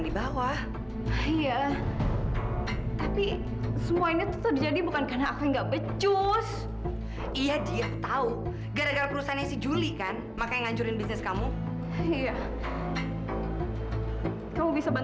biasanya kamu punya ide kan